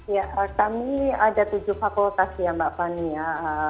ya kami ada tujuh fakultas ya mbak fania